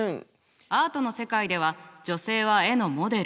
アートの世界では女性は絵のモデル。